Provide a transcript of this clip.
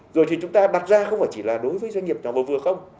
rồi thì chúng ta đặt ra không chỉ là đối với doanh nghiệp nhỏ bảo vừa không